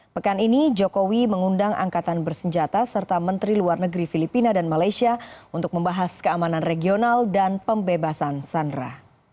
pekan ini jokowi mengundang angkatan bersenjata serta menteri luar negeri filipina dan malaysia untuk membahas keamanan regional dan pembebasan sandera